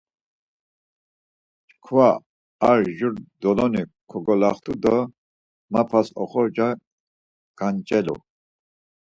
Çkva ar jur doloni kogolaxtu do mapas oxorca ganç̌elu.